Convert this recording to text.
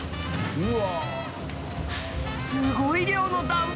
うわ。